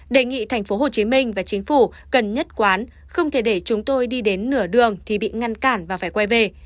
đề nghị tp hcm và chính phủ cần nhất quán không thể để chúng tôi đi đến nửa đường thì bị ngăn cản và phải quay về